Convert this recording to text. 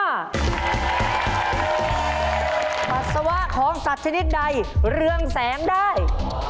ปัสสาวะของสัตว์ชนิดใดเรืองแสงได้